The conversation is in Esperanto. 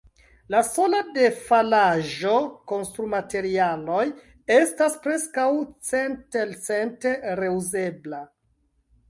La sola defalaĵo, konstrumaterialoj, estas preskaŭ centelcente reuzebla.